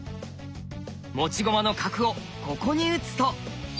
持ち駒の角をここに打つと。